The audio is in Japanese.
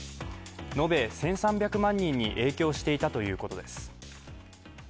延べ１３００万人に影響していたということです。